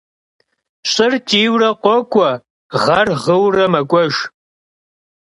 Ş'ır ç'iyuere khok'ue, ğer ğıuere mek'uejj.